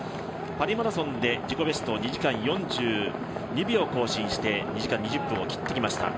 パリマラソンで自己ベスト２時間４２秒更新して２時間２０分を切ってきました